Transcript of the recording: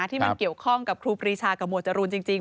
ที่มันเกี่ยวข้องกับครูปรีชากับหมวดจรูนจริง